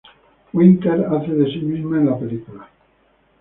Winter hace de sí misma en la película.